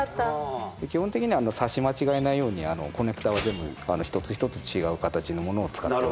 基本的には差し間違えないようにコネクターは全部一つ一つ違う形のものを使ってます。